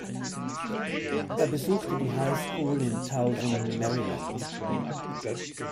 Er besuchte die Highschool in Towson, Maryland.